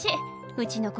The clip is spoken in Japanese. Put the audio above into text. うちの子